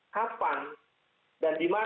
kapan dan di mana